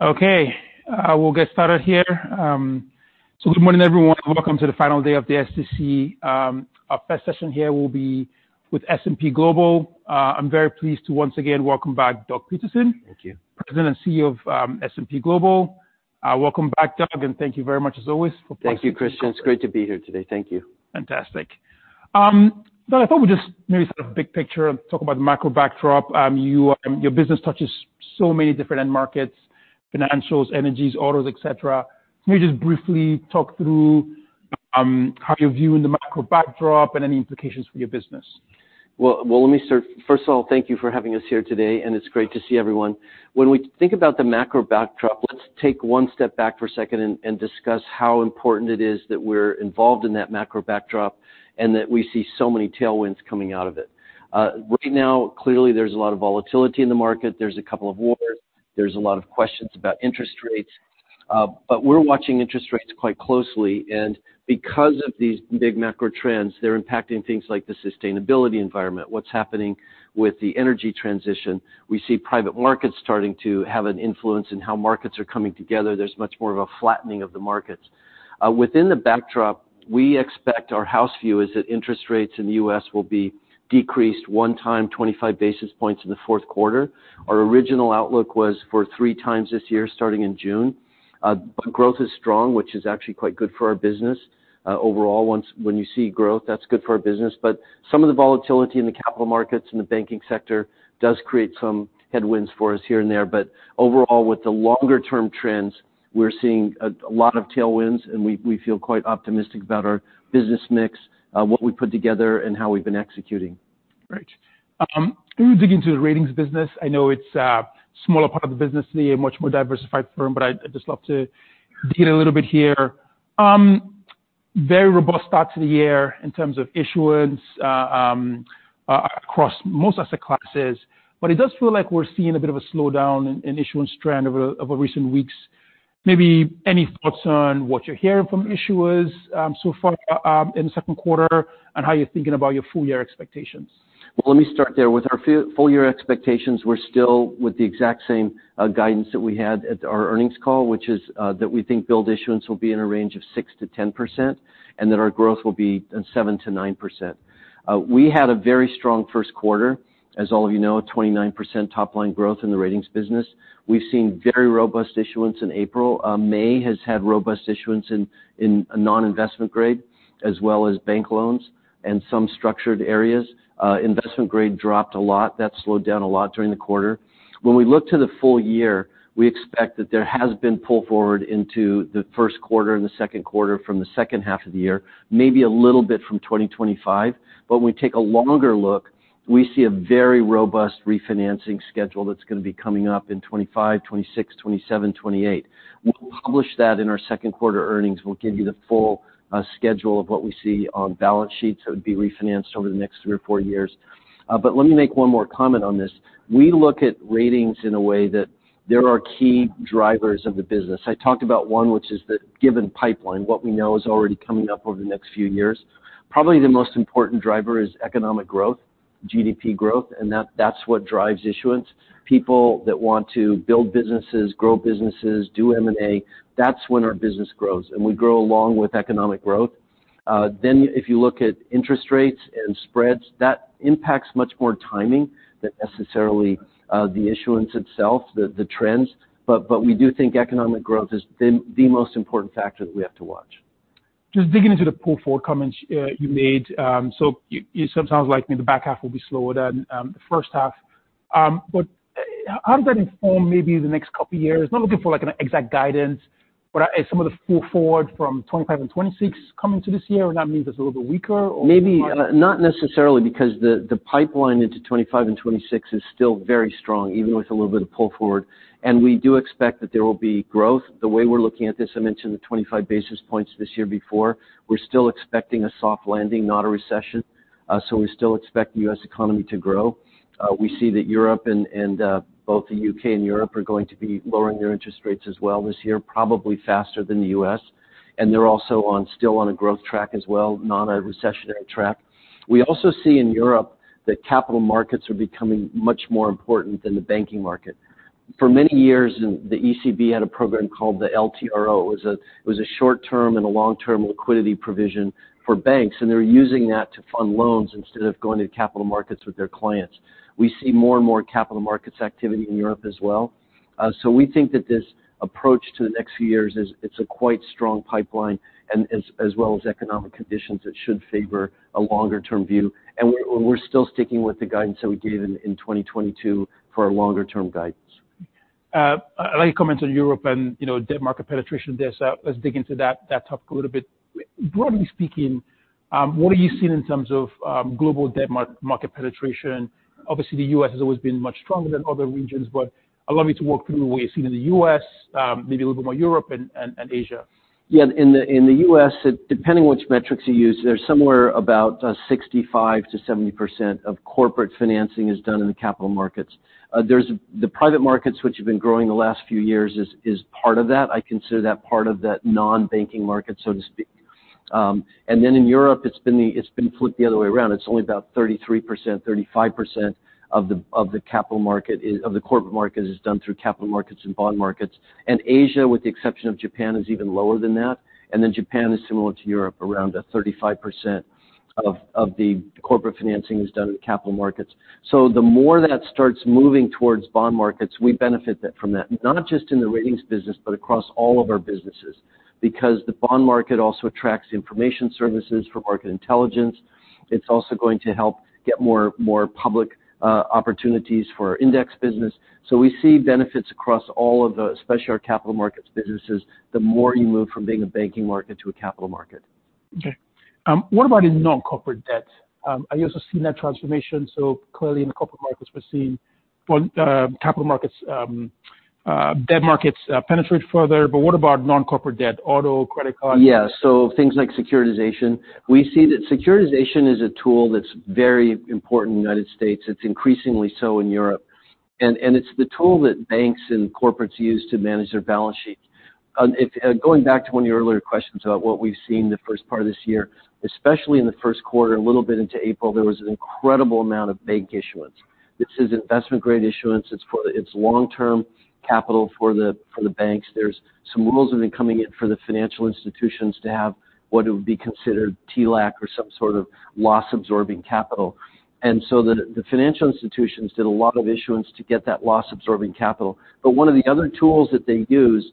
Okay, we'll get started here. Good morning, everyone. Welcome to the final day of the SDC. Our first session here will be with S&P Global. I'm very pleased to once again welcome back Doug Peterson. Thank you. President and CEO of S&P Global. Welcome back, Doug, and thank you very much, as always, for- Thank you, Christian. It's great to be here today. Thank you. Fantastic. So I thought we'd just maybe start a big picture and talk about the macro backdrop. Your business touches so many different end markets, financials, energies, autos, et cetera. Can you just briefly talk through how you're viewing the macro backdrop and any implications for your business? Well, well, let me start. First of all, thank you for having us here today, and it's great to see everyone. When we think about the macro backdrop, let's take one step back for a second and discuss how important it is that we're involved in that macro backdrop and that we see so many tailwinds coming out of it. Right now, clearly, there's a lot of volatility in the market. There's a couple of wars. There's a lot of questions about interest rates, but we're watching interest rates quite closely, and because of these big macro trends, they're impacting things like the sustainability environment, what's happening with the energy transition. We see private markets starting to have an influence in how markets are coming together. There's much more of a flattening of the markets. Within the backdrop, we expect our house view is that interest rates in the U.S. will be decreased one time, 25 basis points in the Q4. Our original outlook was for three times this year, starting in June. But growth is strong, which is actually quite good for our business. Overall, when you see growth, that's good for our business. But some of the volatility in the capital markets and the banking sector does create some headwinds for us here and there. But overall, with the longer-term trends, we're seeing a lot of tailwinds, and we feel quite optimistic about our business mix, what we've put together and how we've been executing. Great. Can we dig into the ratings business? I know it's a smaller part of the business to be a much more diversified firm, but I'd just love to dig in a little bit here. Very robust start to the year in terms of issuance across most asset classes. But it does feel like we're seeing a bit of a slowdown in issuance trend over recent weeks. Maybe any thoughts on what you're hearing from issuers so far in the Q2, and how you're thinking about your full year expectations? Well, let me start there. With our full year expectations, we're still with the exact same guidance that we had at our earnings call, which is that we think bond issuance will be in a range of 6%-10%, and that our growth will be 7%-9%. We had a very strong Q1, as all of you know, a 29% top-line growth in the ratings business. We've seen very robust issuance in April. May has had robust issuance in non-investment grade, as well as bank loans and some structured areas. Investment grade dropped a lot. That slowed down a lot during the quarter. When we look to the full year, we expect that there has been pull forward into the Q1 and the Q2 from the second half of the year, maybe a little bit from 2025. But when we take a longer look, we see a very robust refinancing schedule that's gonna be coming up in 2025, 2026, 2027, 2028. We'll publish that in our Q2 earnings. We'll give you the full schedule of what we see on balance sheets that would be refinanced over the next three or four years. But let me make one more comment on this. We look at ratings in a way that there are key drivers of the business. I talked about one, which is the given pipeline. What we know is already coming up over the next few years. Probably the most important driver is economic growth, GDP growth, and that's what drives issuance. People that want to build businesses, grow businesses, do M&A, that's when our business grows, and we grow along with economic growth. Then if you look at interest rates and spreads, that impacts much more timing than necessarily, the issuance itself, the trends, but we do think economic growth is the most important factor that we have to watch. Just digging into the pull forward comments you made, so you sometimes like me, the back half will be slower than the first half. But how does that inform maybe the next couple of years? Not looking for, like, an exact guidance, but some of the pull forward from 2025 and 2026 coming to this year, and that means it's a little bit weaker or- Maybe not necessarily, because the pipeline into 2025 and 2026 is still very strong, even with a little bit of pull forward. And we do expect that there will be growth. The way we're looking at this, I mentioned the 25 basis points this year before. We're still expecting a soft landing, not a recession, so we still expect the U.S. economy to grow. We see that Europe and both the U.K. and Europe are going to be lowering their interest rates as well this year, probably faster than the U.S., and they're also still on a growth track as well, not a recessionary track. We also see in Europe that capital markets are becoming much more important than the banking market. For many years, and the ECB had a program called the LTRO. It was a short term and a long-term liquidity provision for banks, and they're using that to fund loans instead of going to capital markets with their clients. We see more and more capital markets activity in Europe as well. So we think that this approach to the next few years is it's a quite strong pipeline and as, as well as economic conditions, it should favor a longer-term view. And we're, and we're still sticking with the guidance that we gave in, in 2022 for our longer-term guidance. I like your comments on Europe and, you know, debt market penetration there, so let's dig into that topic a little bit. Broadly speaking, what are you seeing in terms of global debt market penetration? Obviously, the US has always been much stronger than other regions, but I'd love you to walk through what you're seeing in the US, maybe a little bit more Europe and Asia. Yeah. In the U.S., it—depending on which metrics you use, they're somewhere about 65%-70% of corporate financing is done in the capital markets. There's—the private markets, which have been growing the last few years, is part of that. I consider that part of that non-banking market, so to speak. And then in Europe, it's been flipped the other way around. It's only about 33%, 35% of the capital market is—of the corporate market is done through capital markets and bond markets. And Asia, with the exception of Japan, is even lower than that, and then Japan is similar to Europe, around 35% of the corporate financing is done in the capital markets. So the more that starts moving towards bond markets, we benefit it from that, not just in the ratings business, but across all of our businesses, because the bond market also attracts information services for market intelligence. It's also going to help get more, more public, opportunities for our index business. So we see benefits across all of the, especially our capital markets businesses, the more you move from being a banking market to a capital market. Okay. What about in non-corporate debt? Are you also seeing that transformation? So clearly in the corporate markets, we're seeing, well, capital markets, debt markets, penetrate further, but what about non-corporate debt, auto, credit card? Yeah, so things like securitization. We see that securitization is a tool that's very important in the United States. It's increasingly so in Europe, and it's the tool that banks and corporates use to manage their balance sheet. Going back to one of your earlier questions about what we've seen in the first part of this year, especially in the Q1, a little bit into April, there was an incredible amount of bank issuance. This is investment grade issuance. It's long-term capital for the banks. There's some rules have been coming in for the financial institutions to have what would be considered TLAC or some sort of loss-absorbing capital. And so the financial institutions did a lot of issuance to get that loss-absorbing capital. But one of the other tools that they use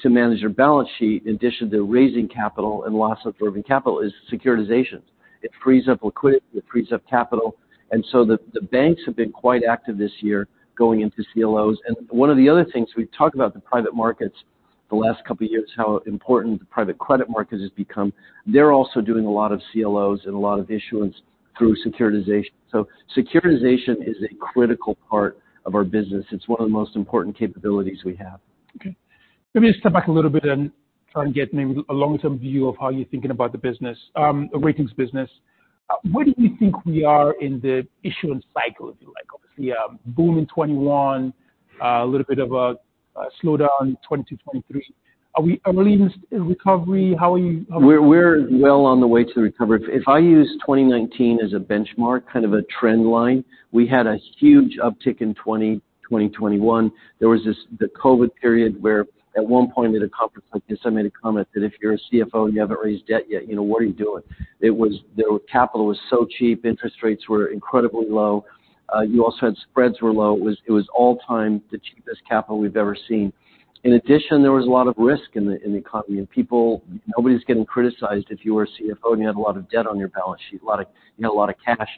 to manage their balance sheet, in addition to raising capital and loss-absorbing capital, is securitizations. It frees up liquidity, it frees up capital, and so the banks have been quite active this year going into CLOs. And one of the other things, we've talked about the private markets the last couple of years, how important the private credit markets has become. They're also doing a lot of CLOs and a lot of issuance through securitization. So securitization is a critical part of our business. It's one of the most important capabilities we have. Okay. Let me step back a little bit and try and get maybe a long-term view of how you're thinking about the business, the ratings business. Where do you think we are in the issuance cycle, if you like? Obviously, a boom in 2021, a little bit of a slowdown, 2022, 2023. Are we early in this, in recovery? How are you- We're well on the way to the recovery. If I use 2019 as a benchmark, kind of a trend line, we had a huge uptick in 2020, 2021. There was this, the COVID period, where at one point at a conference like this, I made a comment that if you're a CFO and you haven't raised debt yet, you know, what are you doing? It was... The capital was so cheap, interest rates were incredibly low. You also had spreads were low. It was, it was all-time the cheapest capital we've ever seen. In addition, there was a lot of risk in the, in the economy, and people - nobody's getting criticized if you were a CFO and you had a lot of debt on your balance sheet, a lot of, you know, a lot of cash,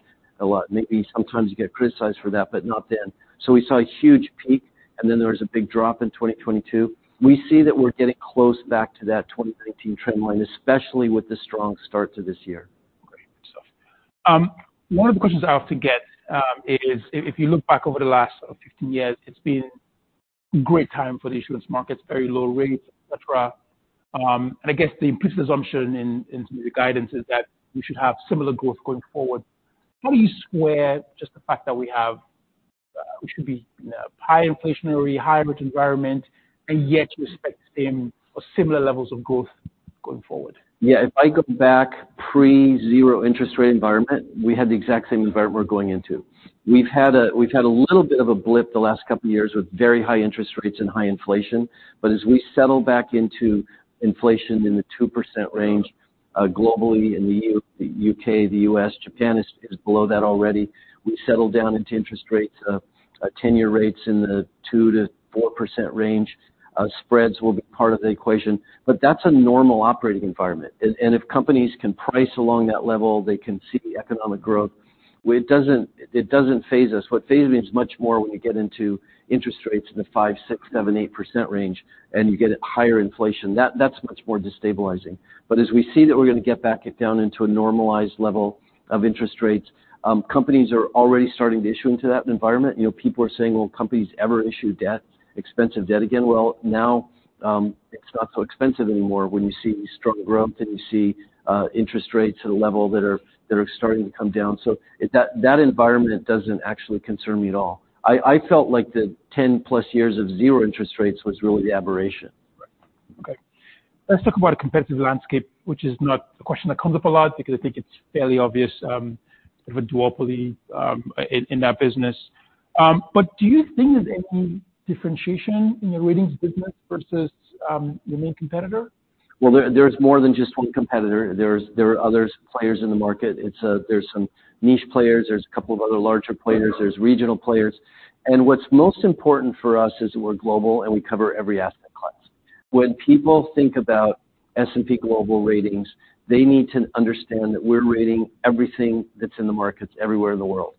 a lot. Maybe sometimes you get criticized for that, but not then. So we saw a huge peak, and then there was a big drop in 2022. We see that we're getting close back to that 2019 trend line, especially with the strong start to this year. Great stuff. One of the questions I often get is if, if you look back over the last 15 years, it's been great time for the issuance markets, very low rates, et cetera. And I guess the implicit assumption in the guidance is that we should have similar growth going forward. How do you square just the fact that we have we should be, you know, high inflationary, high rate environment, and yet we expect the same or similar levels of growth going forward? Yeah, if I go back pre-zero interest rate environment, we had the exact same environment we're going into. We've had a little bit of a blip the last couple of years with very high interest rates and high inflation, but as we settle back into inflation in the 2% range globally in the U.S., the UK, Japan is below that already. We settle down into interest rates, 10-year rates in the 2%-4% range, spreads will be part of the equation. But that's a normal operating environment. And if companies can price along that level, they can see economic growth. It doesn't phase us. What phases me is much more when you get into interest rates in the 5, 6, 7, 8% range, and you get higher inflation. That's much more destabilizing. But as we see that we're going to get back down into a normalized level of interest rates, companies are already starting to issue into that environment. You know, people are saying, "Well, companies ever issue debt, expensive debt again?" Well, now, it's not so expensive anymore when you see strong growth and you see interest rates at a level that are starting to come down. So that environment doesn't actually concern me at all. I felt like the 10+ years of 0 interest rates was really the aberration. Okay. Let's talk about a competitive landscape, which is not a question that comes up a lot because I think it's fairly obvious, a duopoly, in that business. But do you think there's any differentiation in the ratings business versus your main competitor? Well, there's more than just one competitor. There are other players in the market. It's, there are some niche players, there's a couple of other larger players, there's regional players. And what's most important for us is we're global and we cover every asset class. When people think about S&P Global Ratings, they need to understand that we're rating everything that's in the markets everywhere in the world.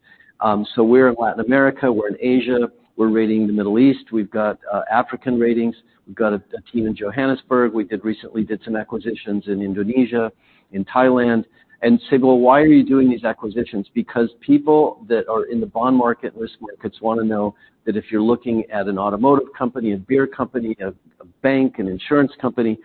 So we're in Latin America, we're in Asia, we're rating the Middle East, we've got African ratings, we've got a team in Johannesburg. We recently did some acquisitions in Indonesia, in Thailand, and say, "Well, why are you doing these acquisitions?" Because people that are in the bond market, risk markets, want to know that if you're looking at an automotive company, a beer company, a... bank and insurance company,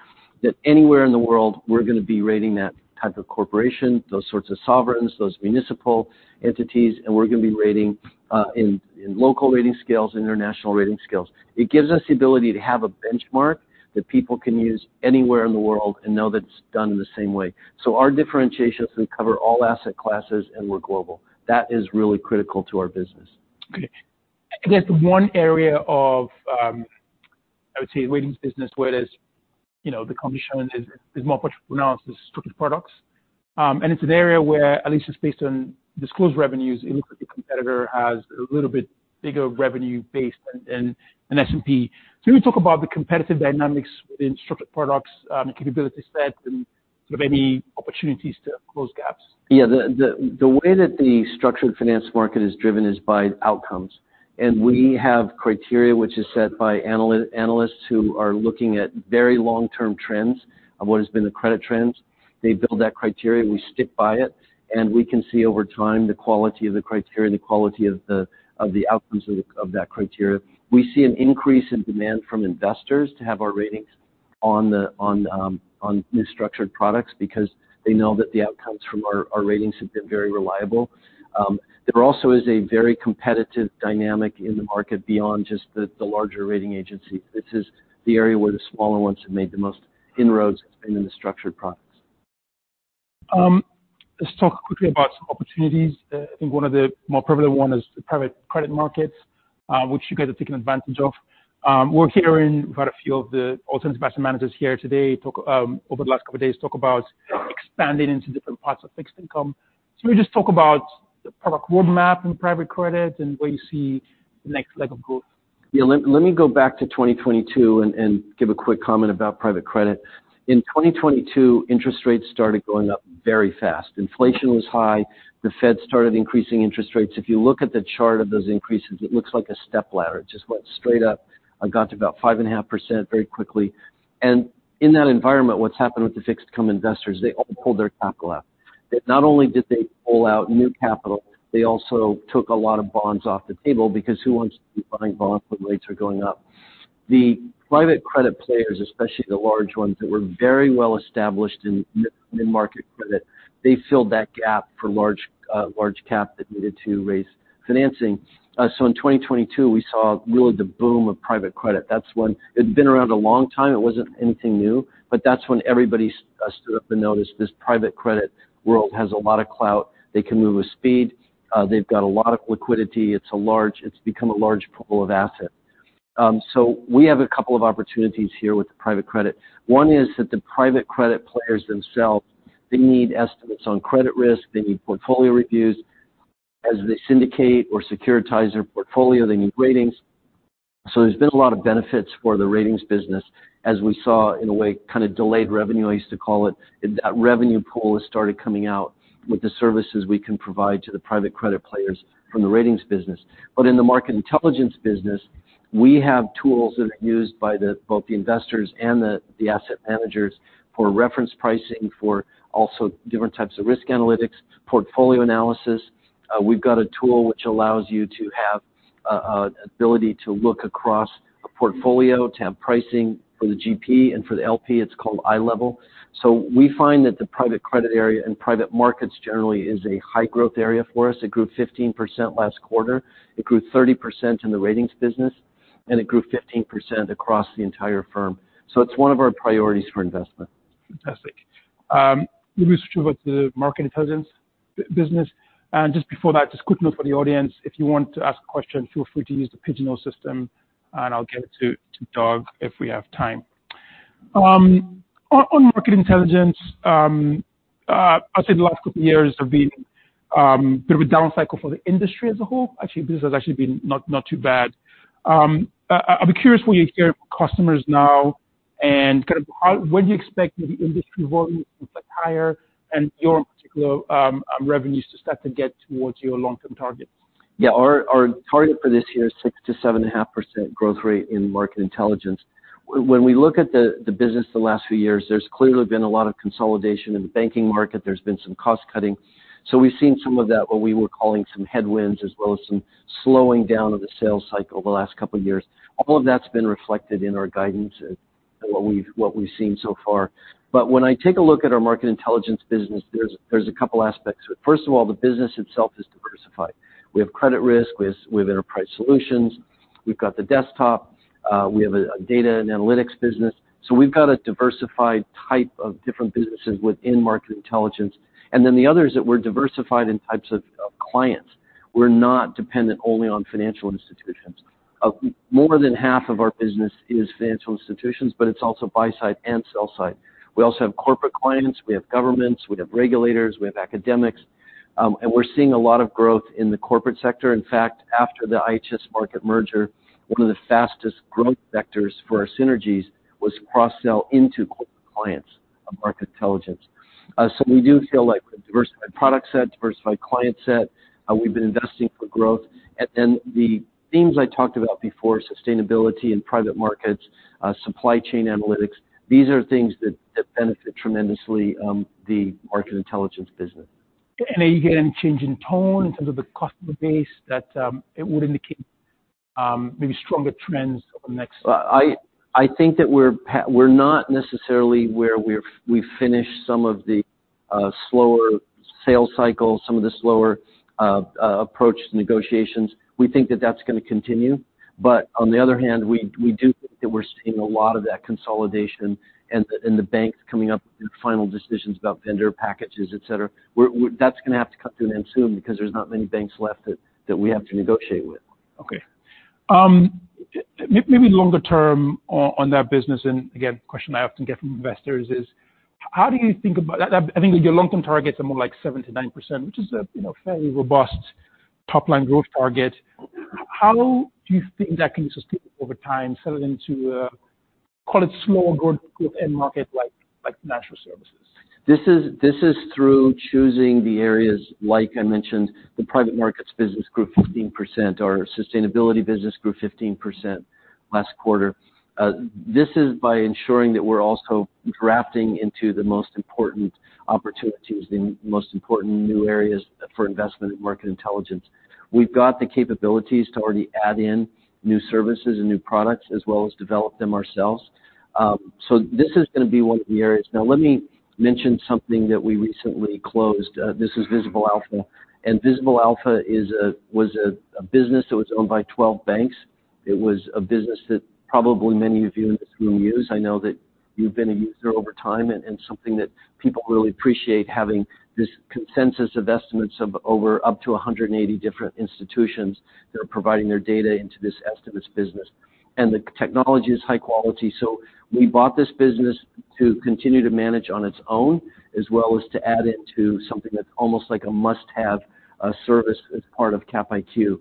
that anywhere in the world, we're gonna be rating that type of corporation, those sorts of sovereigns, those municipal entities, and we're gonna be rating in local rating scales, international rating scales. It gives us the ability to have a benchmark that people can use anywhere in the world and know that it's done in the same way. So our differentiation is we cover all asset classes, and we're global. That is really critical to our business. Okay. I guess one area of, I would say, ratings business, where there's, you know, the competition is more pronounced is structured products. And it's an area where at least just based on disclosed revenues, it looks like the competitor has a little bit bigger revenue base than S&P. Can you talk about the competitive dynamics in structured products, and capability set and sort of any opportunities to close gaps? Yeah. The way that the structured finance market is driven is by outcomes, and we have criteria which is set by analysts who are looking at very long-term trends of what has been the credit trends. They build that criteria, we stick by it, and we can see over time the quality of the criteria, the quality of the outcomes of that criteria. We see an increase in demand from investors to have our ratings on new structured products because they know that the outcomes from our ratings have been very reliable. There also is a very competitive dynamic in the market beyond just the larger rating agency. This is the area where the smaller ones have made the most inroads, has been in the structured products. Let's talk quickly about some opportunities. I think one of the more prevalent one is the private credit markets, which you guys have taken advantage of. We're hearing quite a few of the alternative investment managers here today talk over the last couple of days about expanding into different parts of fixed income. So can you just talk about the product roadmap in private credit and where you see the next leg of growth? Yeah. Let me go back to 2022 and give a quick comment about private credit. In 2022, interest rates started going up very fast. Inflation was high. The Fed started increasing interest rates. If you look at the chart of those increases, it looks like a stepladder. It just went straight up and got to about 5.5% very quickly. And in that environment, what's happened with the fixed income investors? They all pulled their capital out. That not only did they pull out new capital, they also took a lot of bonds off the table because who wants to be buying bonds when rates are going up? The private credit players, especially the large ones that were very well established in mid-market credit, they filled that gap for large cap that needed to raise financing. So in 2022, we saw really the boom of private credit. That's when. It's been around a long time, it wasn't anything new, but that's when everybody stood up and noticed this private credit world has a lot of clout. They can move with speed. They've got a lot of liquidity. It's become a large pool of asset. So we have a couple of opportunities here with the private credit. One is that the private credit players themselves, they need estimates on credit risk. They need portfolio reviews. As they syndicate or securitize their portfolio, they need ratings. So there's been a lot of benefits for the ratings business as we saw, in a way, kind of delayed revenue, I used to call it. And that revenue pool has started coming out with the services we can provide to the private credit players from the ratings business. But in the market intelligence business, we have tools that are used by both the investors and the asset managers for reference pricing, for also different types of risk analytics, portfolio analysis. We've got a tool which allows you to have a ability to look across a portfolio, to have pricing for the GP and for the LP. It's called iLevel. So we find that the private credit area and private markets generally is a high growth area for us. It grew 15% last quarter, it grew 30% in the ratings business, and it grew 15% across the entire firm. So it's one of our priorities for investment. Fantastic. Let me switch to about the market intelligence business. Just before that, just a quick note for the audience, if you want to ask a question, feel free to use the Pigeonhole system, and I'll get it to Doug if we have time. On market intelligence, I'd say the last couple of years have been bit of a down cycle for the industry as a whole. Actually, business has actually been not too bad. I'd be curious what you hear customers now, and kind of when do you expect the industry volume to look higher and your particular revenues to start to get towards your long-term targets? Yeah. Our target for this year is 6%-7.5% growth rate in market intelligence. When we look at the business the last few years, there's clearly been a lot of consolidation in the banking market. There's been some cost cutting. So we've seen some of that, what we were calling some headwinds, as well as some slowing down of the sales cycle the last couple of years. All of that's been reflected in our guidance and what we've seen so far. But when I take a look at our market intelligence business, there's a couple aspects. First of all, the business itself is diversified. We have credit risk, we have enterprise solutions, we've got the desktop, we have a data and analytics business. So we've got a diversified type of different businesses within market intelligence. And then the other is that we're diversified in types of clients. We're not dependent only on financial institutions. More than half of our business is financial institutions, but it's also buy side and sell side. We also have corporate clients, we have governments, we have regulators, we have academics, and we're seeing a lot of growth in the corporate sector. In fact, after the IHS Markit merger, one of the fastest growth vectors for our synergies was cross-sell into corporate clients of market intelligence. So we do feel like we've diversified product set, diversified client set, we've been investing for growth. And then the themes I talked about before, sustainability and private markets, supply chain analytics, these are things that benefit tremendously the market intelligence business. And are you getting change in tone in terms of the customer base that, it would indicate, maybe stronger trends over the next? I think that we're not necessarily where we've finished some of the slower sales cycles, some of the slower approach negotiations. We think that that's gonna continue. But on the other hand, we do think that we're seeing a lot of that consolidation and the banks coming up with final decisions about vendor packages, et cetera. That's gonna have to come to an end soon because there's not many banks left that we have to negotiate with. Okay. Maybe longer term on that business, and again, the question I often get from investors is: How do you think about— I think your long-term targets are more like 7%-9%, which is a, you know, fairly robust top-line growth target. How do you think that can sustain over time, sell it into, call it slower growth end market, like natural services? This is through choosing the areas, like I mentioned, the private markets business grew 15%, our sustainability business grew 15% last quarter. This is by ensuring that we're also drafting into the most important opportunities, the most important new areas for investment in market intelligence. We've got the capabilities to already add in new services and new products, as well as develop them ourselves. So this is gonna be one of the areas. Now, let me mention something that we recently closed. This is Visible Alpha. And Visible Alpha was a business that was owned by 12 banks. It was a business that probably many of you in this room use. I know that you've been a user over time, and something that people really appreciate having this consensus of estimates of over up to 180 different institutions that are providing their data into this estimates business. The technology is high quality, so we bought this business to continue to manage on its own, as well as to add it to something that's almost like a must-have service as part of CapIQ.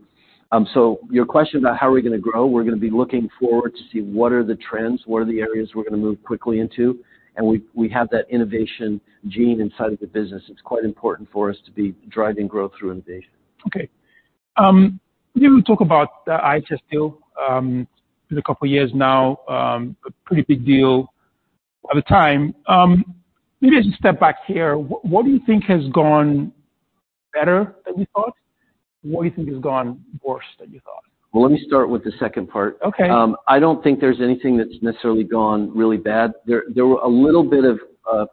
So your question about how are we gonna grow, we're gonna be looking forward to see what are the trends, what are the areas we're gonna move quickly into, and we have that innovation gene inside of the business. It's quite important for us to be driving growth through innovation. Okay. We will talk about the IHS deal, it's a couple of years now, a pretty big deal at the time. Maybe just step back here. What do you think has gone better than you thought? What do you think has gone worse than you thought? Well, let me start with the second part. Okay. I don't think there's anything that's necessarily gone really bad. There were a little bit of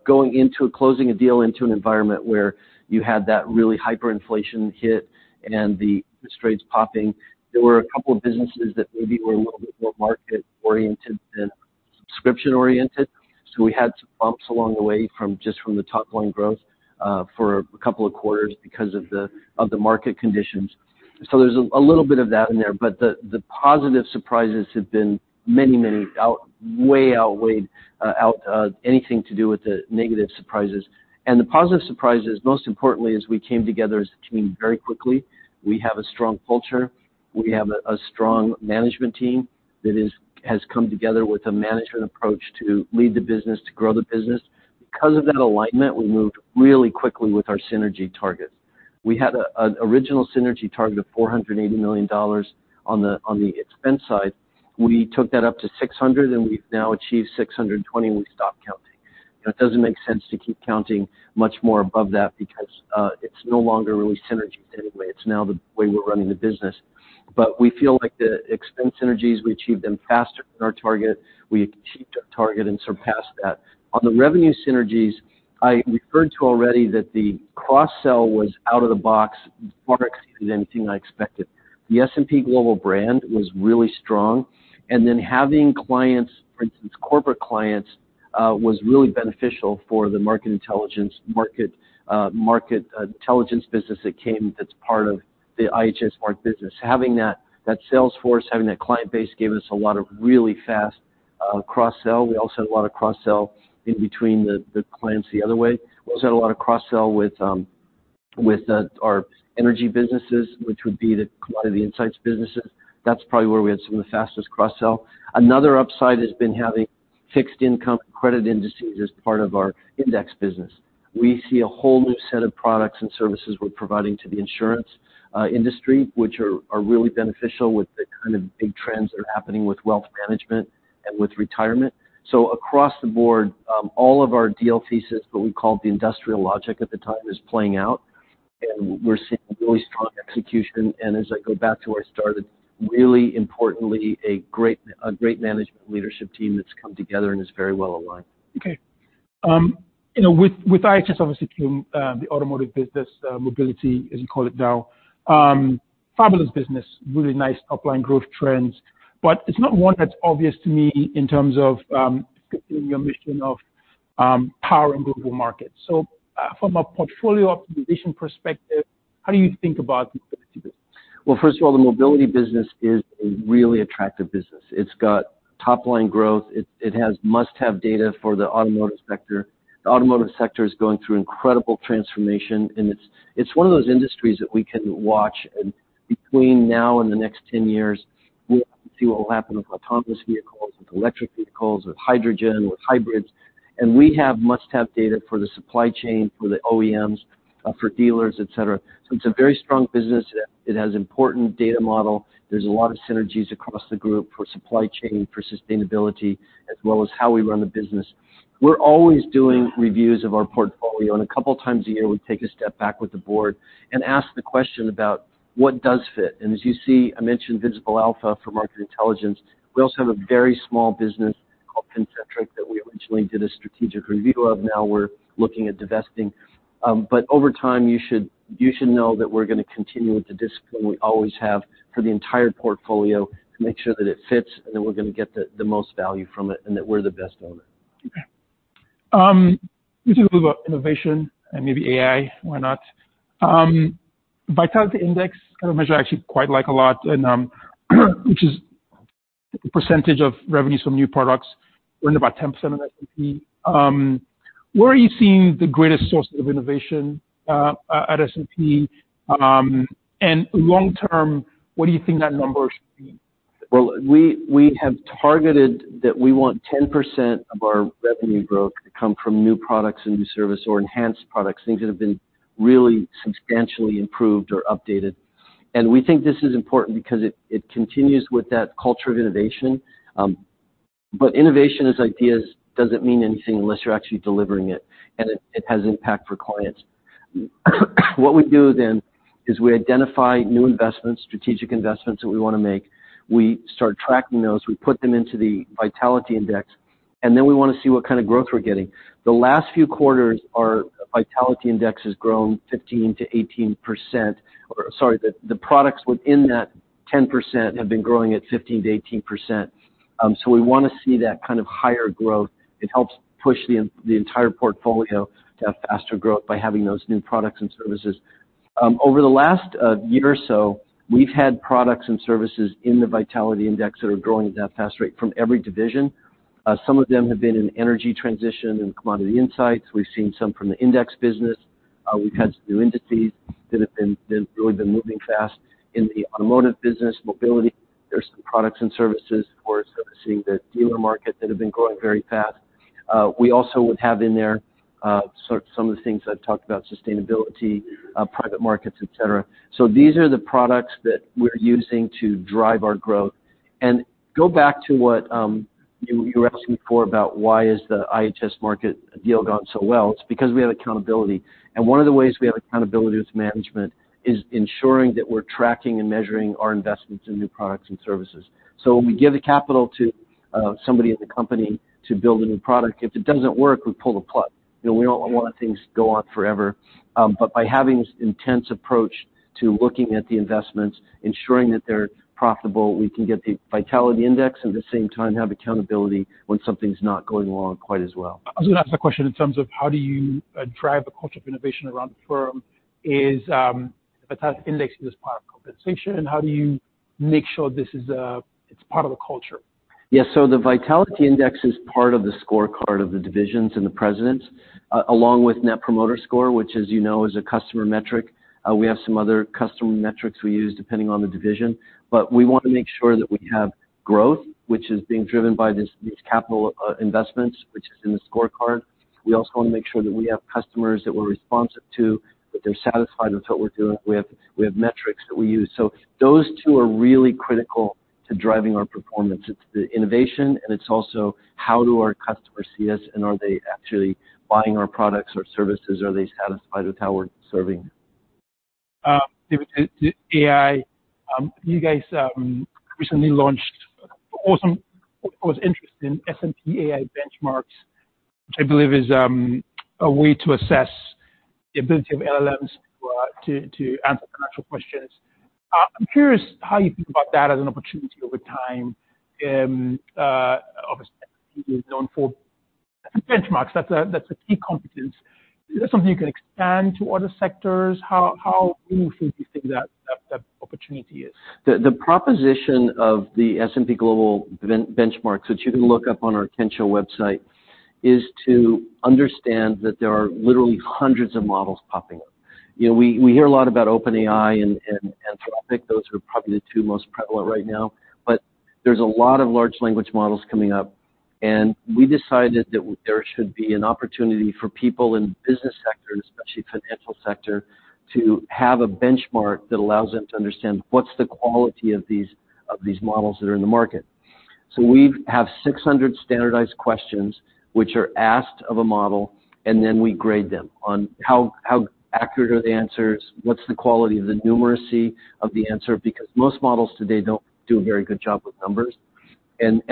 going into closing a deal into an environment where you had that really hyperinflation hit and interest rates popping. There were a couple of businesses that maybe were a little bit more market-oriented than subscription-oriented, so we had some bumps along the way from the top line growth for a couple of quarters because of the market conditions. So there's a little bit of that in there, but the positive surprises have been many, many, outweighed anything to do with the negative surprises. And the positive surprises, most importantly, is we came together as a team very quickly. We have a strong culture. We have a strong management team that has come together with a management approach to lead the business, to grow the business. Because of that alignment, we moved really quickly with our synergy targets. We had an original synergy target of $480 million on the expense side. We took that up to $600 million, and we've now achieved $620 million, and we stopped counting. It doesn't make sense to keep counting much more above that because it's no longer really synergies anyway. It's now the way we're running the business. But we feel like the expense synergies, we achieved them faster than our target. We achieved our target and surpassed that. On the revenue synergies, I referred to already that the cross-sell was out of the box, far exceeded anything I expected. The S&P Global brand was really strong, and then having clients, for instance, corporate clients, was really beneficial for the market intelligence business that came that's part of the IHS Markit business. Having that sales force, having that client base, gave us a lot of really fast cross-sell. We also had a lot of cross-sell in between the clients the other way. We also had a lot of cross-sell with our energy businesses, which would be the Commodity Insights businesses. That's probably where we had some of the fastest cross-sell. Another upside has been having fixed income credit indices as part of our index business. We see a whole new set of products and services we're providing to the insurance industry, which are really beneficial with the kind of big trends that are happening with wealth management and with retirement. So across the board, all of our deal thesis, what we called the industrial logic at the time, is playing out, and we're seeing really strong execution. And as I go back to where I started, really importantly, a great management leadership team that's come together and is very well aligned. Okay. You know, with, with IHS, obviously, the automotive business, Mobility, as you call it now, fabulous business, really nice top-line growth trends, but it's not one that's obvious to me in terms of, your mission of, power and global markets. So, from a portfolio optimization perspective, how do you think about the Mobility business? Well, first of all, the Mobility business is a really attractive business. It's got top-line growth. It has must-have data for the automotive sector. The automotive sector is going through incredible transformation, and it's one of those industries that we can watch, and between now and the next 10 years, we'll see what will happen with autonomous vehicles, with electric vehicles, with hydrogen, with hybrids. And we have must-have data for the supply chain, for the OEMs, for dealers, et cetera. So it's a very strong business. It has important data model. There's a lot of synergies across the group for supply chain, for sustainability, as well as how we run the business. We're always doing reviews of our portfolio, and a couple times a year, we take a step back with the board and ask the question about what does fit? As you see, I mentioned Visible Alpha for market intelligence. We also have a very small business called Fincentric that we originally did a strategic review of. Now we're looking at divesting. But over time, you should know that we're gonna continue with the discipline we always have for the entire portfolio to make sure that it fits, and that we're gonna get the most value from it, and that we're the best owner. Let's talk a little about innovation and maybe AI. Why not? Vitality Index, kind of measure I actually quite like a lot, and which is percentage of revenues from new products. We're about 10% of S&P. Where are you seeing the greatest source of innovation, at S&P? Long term, what do you think that number should be? Well, we have targeted that we want 10% of our revenue growth to come from new products and new service or enhanced products, things that have been really substantially improved or updated. And we think this is important because it continues with that culture of innovation. But innovation as ideas doesn't mean anything unless you're actually delivering it, and it has impact for clients. What we do then is we identify new investments, strategic investments that we wanna make. We start tracking those. We put them into the Vitality Index, and then we wanna see what kind of growth we're getting. The last few quarters, our Vitality Index has grown 15%-18%. Or sorry, the products within that 10% have been growing at 15%-18%. So we wanna see that kind of higher growth. It helps push the entire portfolio to have faster growth by having those new products and services. Over the last year or so, we've had products and services in the Vitality Index that are growing at that fast rate from every division. Some of them have been in energy transition and Commodity Insights. We've seen some from the index business. We've had some new indices that have really been moving fast in the automotive business, Mobility. There's some products and services where we're seeing the dealer market that have been growing very fast. We also would have in there sort of some of the things I've talked about, sustainability, private markets, et cetera. So these are the products that we're using to drive our growth. Go back to what, you, you were asking before about why is the IHS Markit deal gone so well? It's because we have accountability, and one of the ways we have accountability as management is ensuring that we're tracking and measuring our investments in new products and services. So when we give the capital to, somebody in the company to build a new product, if it doesn't work, we pull the plug. You know, we don't want things to go on forever. But by having this intense approach to looking at the investments, ensuring that they're profitable, we can get the Vitality Index, at the same time, have accountability when something's not going along quite as well. I was gonna ask the question in terms of how do you drive a culture of innovation around the firm? Is Vitality Index is part of compensation, and how do you make sure this is it's part of the culture? Yeah, so the Vitality Index is part of the scorecard of the divisions and the presidents, along with Net Promoter Score, which, as you know, is a customer metric. We have some other customer metrics we use, depending on the division. But we want to make sure that we have growth, which is being driven by these capital investments, which is in the scorecard. We also want to make sure that we have customers that we're responsive to, that they're satisfied with what we're doing. We have metrics that we use. So those two are really critical to driving our performance. It's the innovation, and it's also how do our customers see us, and are they actually buying our products or services? Are they satisfied with how we're serving them? The AI, you guys recently launched—what was interesting, S&P AI Benchmarks, which I believe is a way to assess the ability of LLMs to answer financial questions. I'm curious how you think about that as an opportunity over time. Obviously, S&P is known for benchmarks. That's a key competence. Is that something you can expand to other sectors? How do you think that opportunity is? The proposition of the S&P Global AI Benchmarks, that you can look up on our Kensho website, is to understand that there are literally hundreds of models popping up. You know, we hear a lot about OpenAI and Anthropic. Those are probably the two most prevalent right now, but there's a lot of large language models coming up, and we decided that there should be an opportunity for people in business sector, and especially financial sector, to have a benchmark that allows them to understand what's the quality of these, of these models that are in the market. So we have 600 standardized questions which are asked of a model, and then we grade them on how accurate are the answers, what's the quality of the numeracy of the answer, because most models today don't do a very good job with numbers.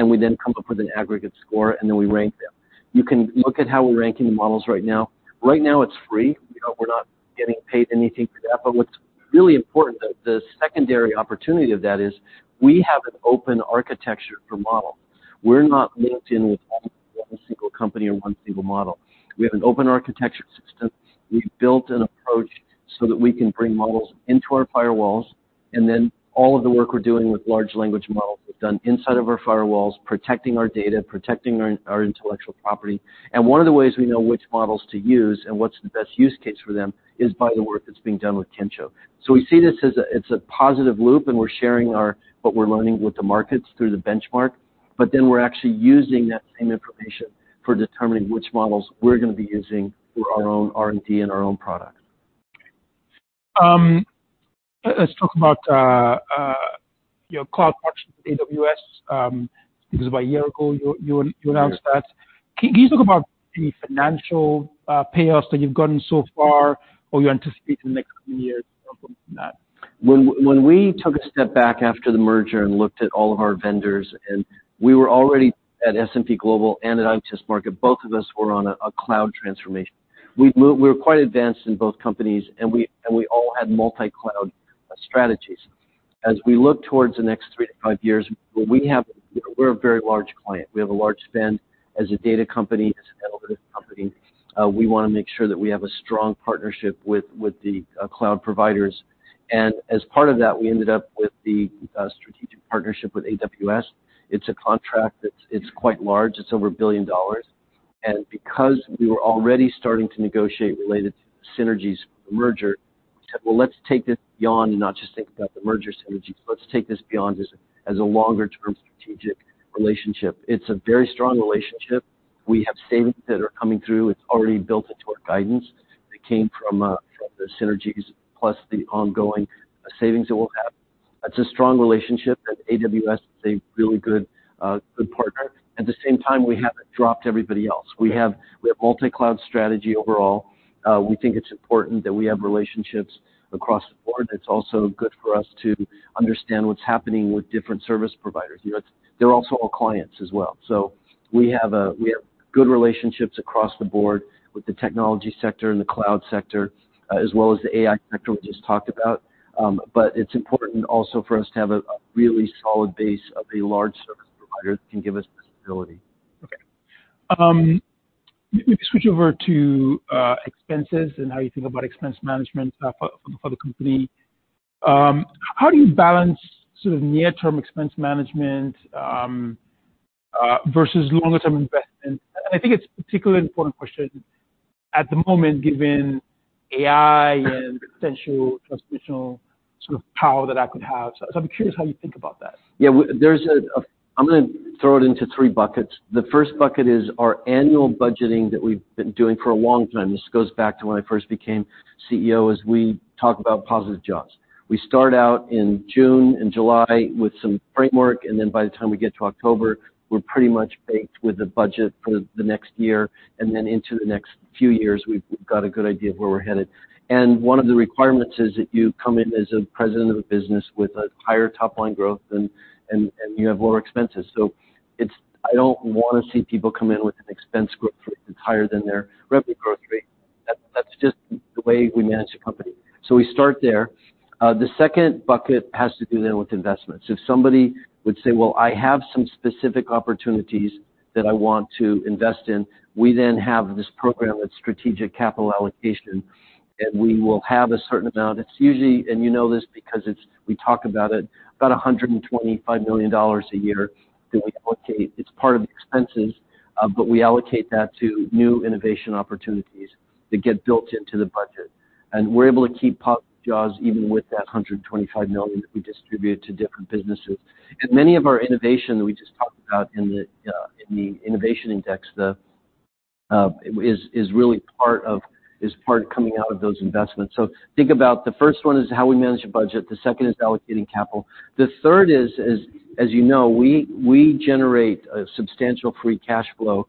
We then come up with an aggregate score, and then we rank them. You can look at how we're ranking the models right now. Right now it's free. You know, we're not getting paid anything for that. But what's really important, the secondary opportunity of that is we have an open architecture per model. We're not linked in with one single company or one single model. We have an open architecture system. We've built an approach so that we can bring models into our firewalls, and then all of the work we're doing with large language models is done inside of our firewalls, protecting our data, protecting our intellectual property. And one of the ways we know which models to use and what's the best use case for them is by the work that's being done with Kensho. So we see this as a, it's a positive loop, and we're sharing our what we're learning with the markets through the benchmark, but then we're actually using that same information for determining which models we're gonna be using for our own R&D and our own products. Let's talk about your cloud partnership with AWS. It was about a year ago you announced that. Can you talk about any financial payoffs that you've gotten so far, or you anticipate in the next few years from that? When we took a step back after the merger and looked at all of our vendors, and we were already at S&P Global and at IHS Markit, both of us were on a cloud transformation. We were quite advanced in both companies, and we all had multi-cloud strategies. As we look towards the next three to five years, we're a very large client. We have a large spend as a data company, as an analytics company, we wanna make sure that we have a strong partnership with the cloud providers. And as part of that, we ended up with the strategic partnership with AWS. It's a contract that's quite large. It's over $1 billion. Because we were already starting to negotiate related synergies for the merger, we said, "Well, let's take this beyond and not just think about the merger synergies. Let's take this beyond as, as a longer-term strategic relationship." It's a very strong relationship. We have savings that are coming through. It's already built into our guidance. It came from, from the synergies, plus the ongoing savings that we'll have. It's a strong relationship, and AWS is a really good partner. At the same time, we haven't dropped everybody else. We have a multi-cloud strategy overall. We think it's important that we have relationships across the board. It's also good for us to understand what's happening with different service providers. You know, they're also all clients as well. So we have good relationships across the board with the technology sector and the cloud sector, as well as the AI sector we just talked about. But it's important also for us to have a really solid base of a large service provider that can give us visibility. Okay. Let me switch over to expenses and how you think about expense management for the company. How do you balance sort of near-term expense management versus longer-term investment? I think it's a particularly important question at the moment, given AI and potential transformational sort of power that I could have. So I'm curious how you think about that. Yeah, there's a... I'm gonna throw it into three buckets. The first bucket is our annual budgeting that we've been doing for a long time. This goes back to when I first became CEO, as we talk about positive jaws. We start out in June and July with some framework, and then by the time we get to October, we're pretty much baked with the budget for the next year, and then into the next few years, we've got a good idea of where we're headed. And one of the requirements is that you come in as a president of a business with a higher top line growth than you have lower expenses. So it's. I don't want to see people come in with an expense growth rate that's higher than their revenue growth rate. That's just the way we manage the company. So we start there. The second bucket has to do then with investments. If somebody would say, "Well, I have some specific opportunities that I want to invest in," we then have this program with strategic capital allocation, and we will have a certain amount. It's usually, and you know this because it's- we talk about it, about $125 million a year that we allocate. It's part of the expenses, but we allocate that to new innovation opportunities that get built into the budget. And we're able to keep positive jaws, even with that $125 million that we distribute to different businesses. And many of our innovation that we just talked about in the, in the innovation index, the, is, is really part of- is part of coming out of those investments. So think about the first one is how we manage a budget, the second is allocating capital. The third is, as you know, we generate a substantial free cash flow,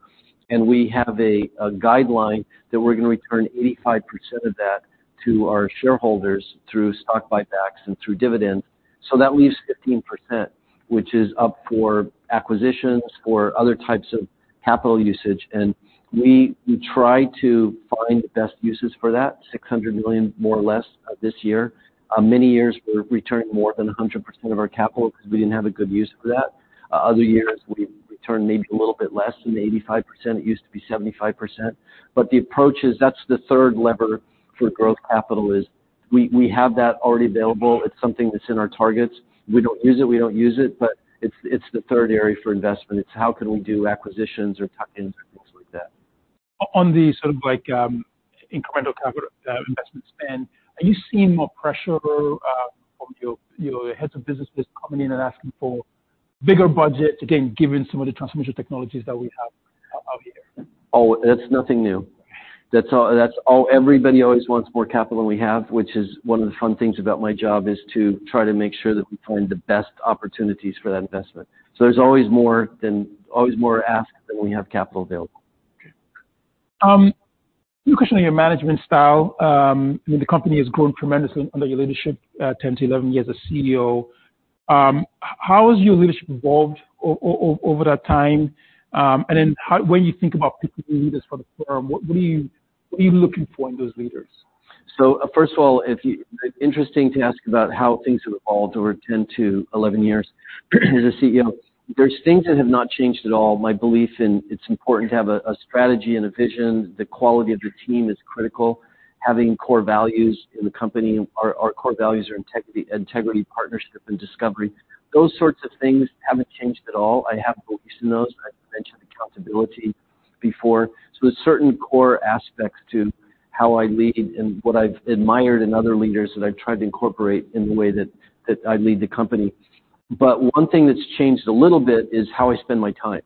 and we have a guideline that we're gonna return 85% of that to our shareholders through stock buybacks and through dividends. So that leaves 15%, which is up for acquisitions or other types of capital usage, and we try to find the best uses for that, $600 million, more or less, this year. Many years, we're returning more than 100% of our capital because we didn't have a good use for that. Other years, we returned maybe a little bit less than the 85%. It used to be 75%. But the approach is, that's the third lever for growth capital, is we have that already available. It's something that's in our targets. We don't use it, but it's the third area for investment. It's how can we do acquisitions or tie-ins or things like that. On the sort of like, incremental capital investment spend, are you seeing more pressure from your heads of businesses coming in and asking for bigger budget, again, given some of the transformation technologies that we have out here? Oh, that's nothing new. That's all. Everybody always wants more capital than we have, which is one of the fun things about my job, is to try to make sure that we find the best opportunities for that investment. So there's always more ask than we have capital available. Okay. A question on your management style. The company has grown tremendously under your leadership, 10-11 years as CEO. How has your leadership evolved over that time? And then when you think about picking new leaders for the firm, what, what are you, what are you looking for in those leaders? So first of all, if you— It's interesting to ask about how things have evolved over 10-11 years as a CEO. There's things that have not changed at all. My belief in it's important to have a strategy and a vision. The quality of your team is critical. Having core values in the company. Our core values are integrity, integrity, partnership, and discovery. Those sorts of things haven't changed at all. I have belief in those. I've mentioned accountability before. So there's certain core aspects to how I lead and what I've admired in other leaders that I've tried to incorporate in the way that I lead the company. But one thing that's changed a little bit is how I spend my time....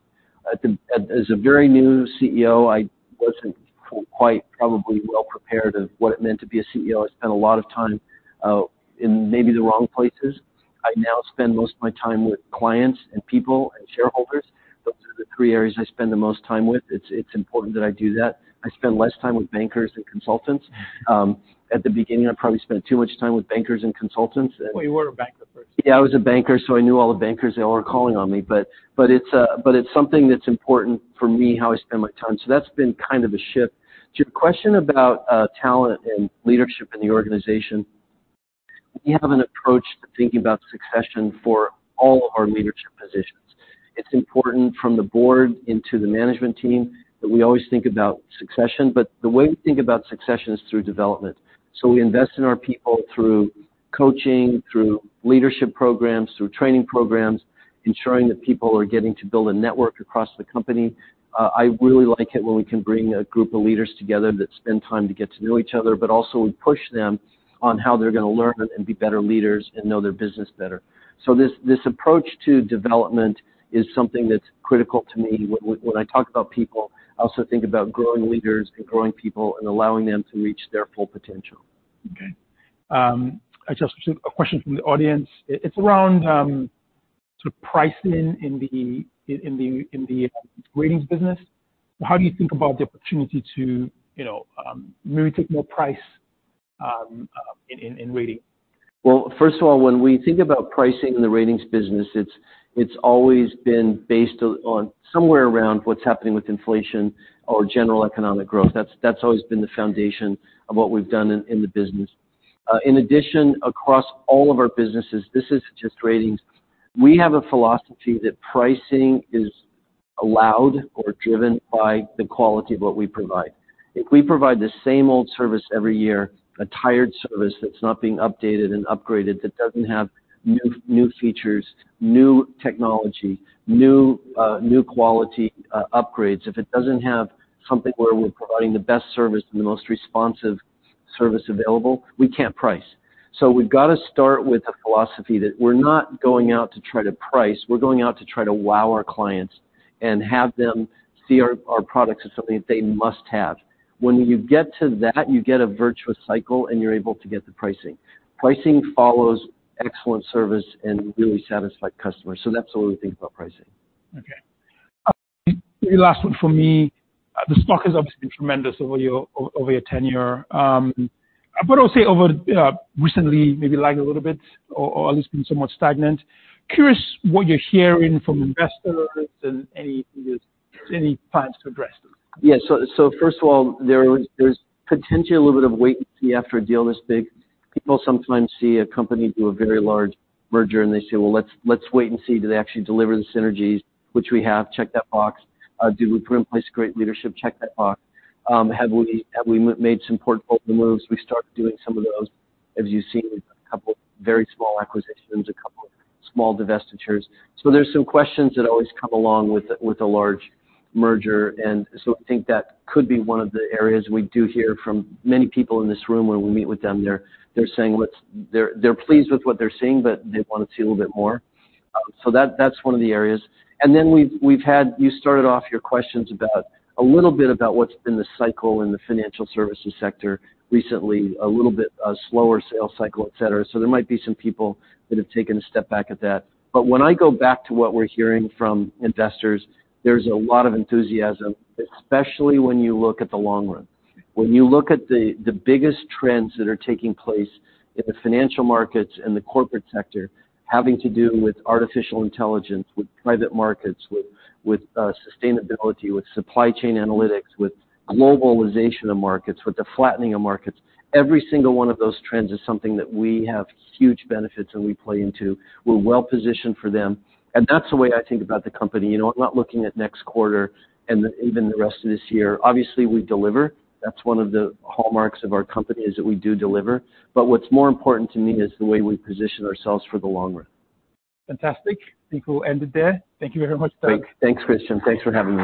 As a very new CEO, I wasn't quite probably well prepared of what it meant to be a CEO. I spent a lot of time in maybe the wrong places. I now spend most of my time with clients and people and shareholders. Those are the three areas I spend the most time with. It's important that I do that. I spend less time with bankers and consultants. At the beginning, I probably spent too much time with bankers and consultants, and- Well, you were a banker first. Yeah, I was a banker, so I knew all the bankers; they all were calling on me. But it's something that's important for me, how I spend my time, so that's been kind of a shift. To your question about talent and leadership in the organization, we have an approach to thinking about succession for all of our leadership positions. It's important from the board into the management team that we always think about succession, but the way we think about succession is through development. So we invest in our people through coaching, through leadership programs, through training programs, ensuring that people are getting to build a network across the company. I really like it when we can bring a group of leaders together that spend time to get to know each other, but also we push them on how they're gonna learn and be better leaders and know their business better. So this, this approach to development is something that's critical to me. When I talk about people, I also think about growing leaders and growing people and allowing them to reach their full potential. Okay. I just received a question from the audience. It's around sort of pricing in the ratings business. How do you think about the opportunity to, you know, maybe take more price in rating? Well, first of all, when we think about pricing in the ratings business, it's always been based on somewhere around what's happening with inflation or general economic growth. That's always been the foundation of what we've done in the business. In addition, across all of our businesses, this is just ratings. We have a philosophy that pricing is allowed or driven by the quality of what we provide. If we provide the same old service every year, a tired service that's not being updated and upgraded, that doesn't have new features, new technology, new quality upgrades. If it doesn't have something where we're providing the best service and the most responsive service available, we can't price. So we've got to start with the philosophy that we're not going out to try to price. We're going out to try to wow our clients and have them see our products as something that they must have. When you get to that, you get a virtuous cycle, and you're able to get the pricing. Pricing follows excellent service and really satisfied customers, so that's how we think about pricing. Okay. The last one for me, the stock has obviously been tremendous over your over your tenure, but I'll say over recently, maybe lagged a little bit or at least been somewhat stagnant. Curious what you're hearing from investors and any plans to address them? Yeah, so first of all, there is, there's potentially a little bit of wait and see after a deal this big. People sometimes see a company do a very large merger, and they say: "Well, let's wait and see. Do they actually deliver the synergies?" Which we have checked that box. Do we put in place great leadership? Check that box. Have we made some important bold moves? We started doing some of those. As you've seen, a couple very small acquisitions, a couple of small divestitures. So there's some questions that always come along with a large merger, and so I think that could be one of the areas we do hear from many people in this room when we meet with them. They're saying what's... They're, they're pleased with what they're seeing, but they want to see a little bit more. So that's one of the areas. And then you started off your questions about a little bit about what's been the cycle in the financial services sector recently, a little bit, slower sales cycle, et cetera. So there might be some people that have taken a step back at that. But when I go back to what we're hearing from investors, there's a lot of enthusiasm, especially when you look at the long run. When you look at the biggest trends that are taking place in the financial markets and the corporate sector, having to do with artificial intelligence, with private markets, with sustainability, with supply chain analytics, with globalization of markets, with the flattening of markets, every single one of those trends is something that we have huge benefits and we play into. We're well positioned for them, and that's the way I think about the company. You know, I'm not looking at next quarter and even the rest of this year. Obviously, we deliver. That's one of the hallmarks of our company, is that we do deliver. But what's more important to me is the way we position ourselves for the long run. Fantastic. I think we'll end it there. Thank you very much, Doug. Great. Thanks, Christian. Thanks for having me.